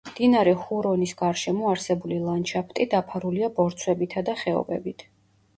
მდინარე ჰურონის გარშემო არსებული ლანდშაფტი დაფარულია ბორცვებითა და ხეობებით.